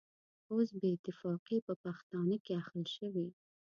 اوس بې اتفاقي په پښتانه کې اخښل شوې.